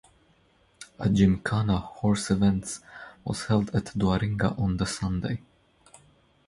A gymkhana (horse events) was held at Duaringa on the Sunday.